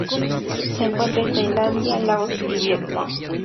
Se encuentra en Tailandia, Laos y Vietnam.